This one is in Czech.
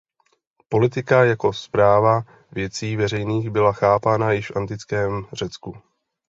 Politika jako správa věcí veřejných byla chápána již v antickém Řecku.